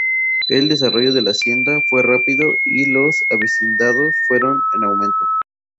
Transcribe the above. El desarrollo de la hacienda, fue rápido y los avecindados fueron en aumento.